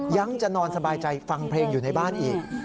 ยังจะนอนสบายใจฟังเพลงอยู่ในบ้านอีก